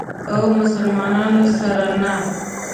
او مسلمانانو سره نه.